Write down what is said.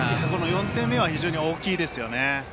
４点目は非常に大きいですね。